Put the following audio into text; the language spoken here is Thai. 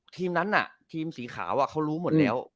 ทีมนั้นทีมสีขาวเขารู้หมดแล้ว